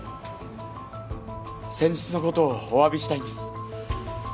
先日の事をお詫びしたいんです。